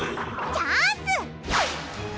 チャンス！